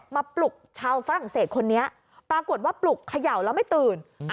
ปลุกชาวฝรั่งเศสคนนี้ปรากฏว่าปลุกเขย่าแล้วไม่ตื่น